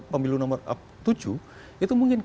pemilu nomor tujuh itu mungkin